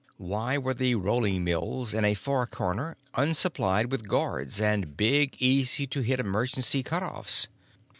Why were the rolling mills in a far corner unsupplied with guards and big, easy to hit emergency cutoffs?